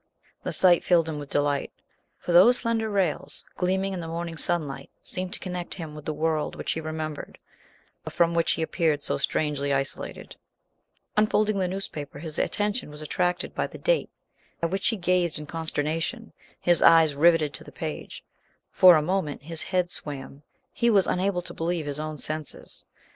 The sight filled him with delight, for those slender rails, gleaming in the morning sunlight, seemed to connect him with the world which he remembered, but from which he appeared so strangely isolated. Unfolding the newspaper his attention was attracted by the date, at which he gazed in consternation, his eyes riveted to the page. For a moment his head swam, he was unable to believe his own senses.